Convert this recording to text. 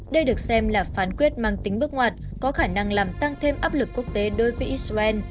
đây được xem là phán quyết mang tính bước ngoặt có khả năng làm tăng thêm áp lực quốc tế đối với israel